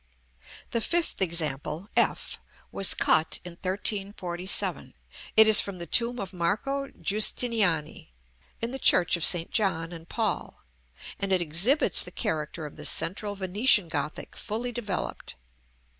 The fifth example (f) was cut in 1347; it is from the tomb of Marco Giustiniani, in the church of St. John and Paul, and it exhibits the character of the central Venetian Gothic fully developed.